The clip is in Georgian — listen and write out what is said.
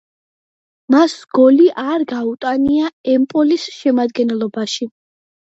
მას გოლი არ გაუტანია „ემპოლის“ შემადგენლობაში.